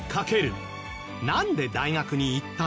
なんで大学に行ったの？